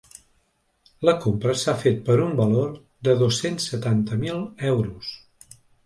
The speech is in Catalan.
La compra s’ha fet per un valor de dos-cents setanta mil euros.